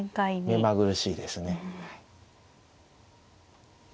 目まぐるしいですね。